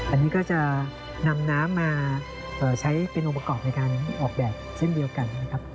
อันนี้ก็จะนำน้ำมาใช้เป็นองค์ประกอบในการออกแบบเช่นเดียวกันนะครับ